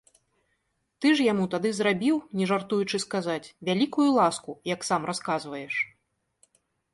Ты ж яму быў тады зрабіў, не жартуючы сказаць, вялікую ласку, як сам расказваеш.